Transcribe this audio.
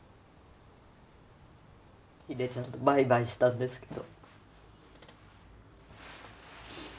秀ちゃんとバイバイしたんですけど。